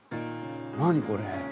何これ？